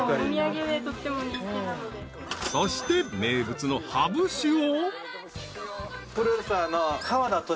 ［そして名物のハブ酒を］